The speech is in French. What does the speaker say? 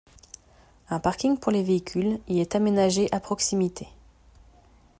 Un parking pour les véhicules y est aménagé à proximité.